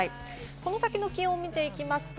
この先の気温を見ていきます。